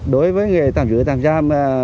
đối với người tạm giữ tạm giam